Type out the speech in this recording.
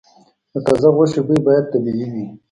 د تازه غوښې بوی باید طبیعي وي.